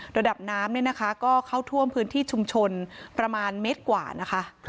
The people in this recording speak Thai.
ระดับน้ำเนี่ยนะคะก็เข้าท่วมพื้นที่ชุมชนประมาณเมตรกว่านะคะ